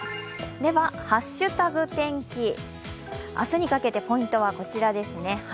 では「＃ハッシュタグ天気」、明日にかけてポイントはこちらですね。